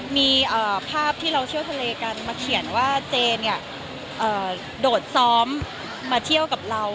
มีภาพที่เราเที่ยวทะเลกันมาเขียนว่าเจเนี่ยโดดซ้อมมาเที่ยวกับเรา